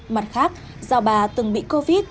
mặt khác do bà từng bị covid